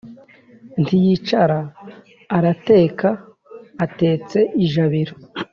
Ntiyicara: Arateka (Atetse ijabiro)